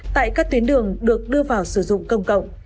tại các tuyến đường được đưa vào sử dụng công cộng